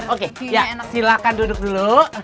oke ya silahkan duduk dulu